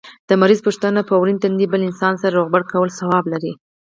د مریض پوښتنه په ورين تندي بل انسان سره روغبړ کول ثواب لري